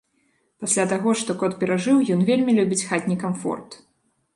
Пасля таго, што кот перажыў, ён вельмі любіць хатні камфорт.